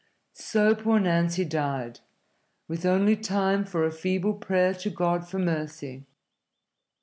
So poor Nancy died, with only time for a feeble prayer to God for mercy.